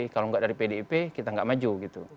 kalau nggak dari pdip kita nggak maju gitu